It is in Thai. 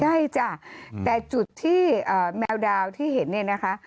ใช่จ้ะแต่จุดที่แมวดาวที่เห็นเนี่ยนะคะ